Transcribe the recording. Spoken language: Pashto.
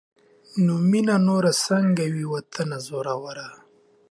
نو مينه نوره سنګه وي واطنه زوروره